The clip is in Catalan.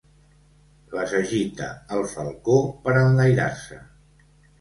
Les agita el falcó per enlairar-se.